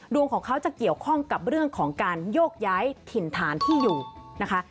ของเขาจะเกี่ยวข้องกับเรื่องของการโยกย้ายถิ่นฐานที่อยู่นะคะ